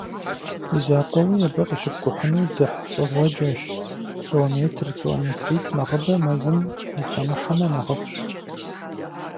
Уи закъуэуи абы къыщыпкӀухьыну дзыхьщӀыгъуэджэщ: километр, километритӀ нэхъыбэкӀэ мэзым ухэмыхьэмэ нэхъыфӀщ.